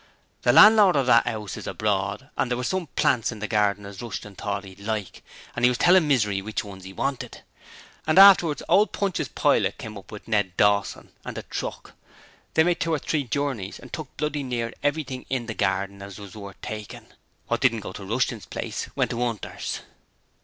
The landlord of that 'ouse is abroad, and there was some plants in the garden as Rushton thought 'e'd like, and 'e was tellin' Misery which ones 'e wanted. And afterwards old Pontius Pilate came up with Ned Dawson and a truck. They made two or three journeys and took bloody near everything in the garden as was worth takin'. What didn't go to Rushton's place went to 'Unter's.'